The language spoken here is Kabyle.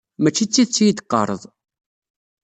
Mačči d tidet i yi-d-teqqareḍ.